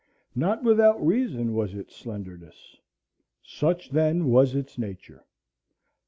Not without reason was its slenderness. Such then was its nature.